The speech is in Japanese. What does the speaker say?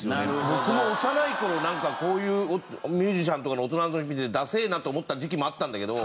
僕も幼い頃なんかこういうミュージシャンとかの大人の見ててダセえなって思った時期もあったんだけど。